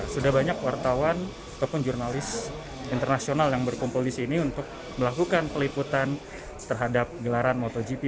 sudah banyak wartawan ataupun jurnalis internasional yang berkumpul di sini untuk melakukan peliputan terhadap gelaran motogp